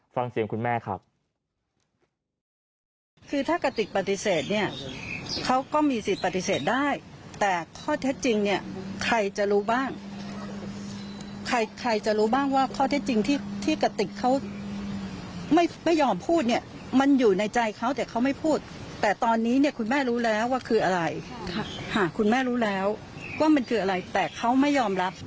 ฟังเสียงคุณแม่ครับ